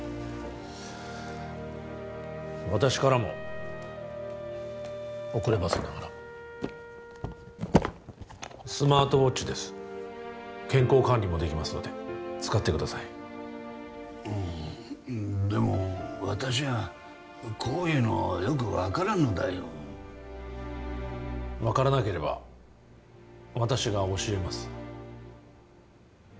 私からも遅ればせながらスマートウォッチです健康管理もできますので使ってくださいうんでも私はこういうのはよく分からんのだよ分からなければ私が教えます